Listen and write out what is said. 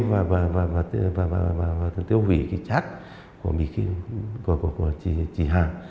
và tiêu vĩ cái chát của chị hà